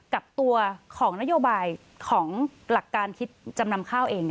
กับตัวของนโยบายของหลักการคิดจำนำข้าวเอง